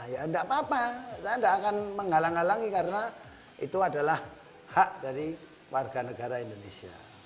ya tidak apa apa saya tidak akan menghalang halangi karena itu adalah hak dari warga negara indonesia